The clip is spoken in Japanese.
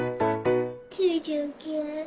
９９。